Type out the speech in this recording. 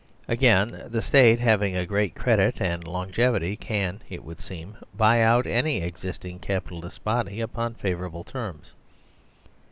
Again, the State, having greater credit and longevity, can (it would seem) *" buy out " any existing Capitalist body upon favourable terms.